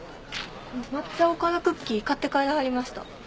抹茶おからクッキー買って帰らはりました。